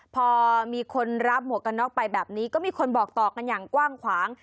พอมีคนรับหมวกกันน็อกไปแบบนี้ก็มีคนบอกต่อกันอย่างกว้างขวาง